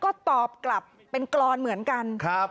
ก็ตอบกลับเป็นกรอนเหมือนกัน